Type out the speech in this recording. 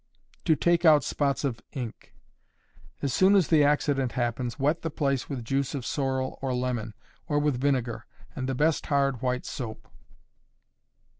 To take out Spots of Ink. As soon as the accident happens, wet the place with juice of sorrel or lemon, or with vinegar, and the best hard white soap.